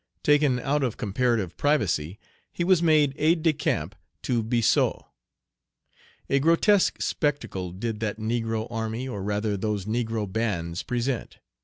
Taken out of comparative privacy, he was made aide de camp to Biassou. A grotesque spectacle did that negro army, or rather those negro bands, present.